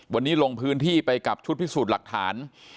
วันนี้ลงพื้นที่ไปกับชุดพิสูจน์หลักฐาน